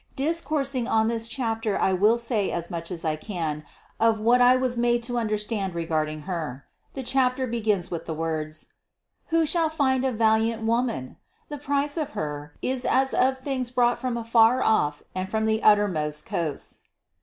Discoursing on this chapter I will say as much as I can of what I was made to understand regarding Her. The chapter begins with the words : "Who shall find a valiant woman? The price of Her is as of things brought from afar off and from the uttermost coasts."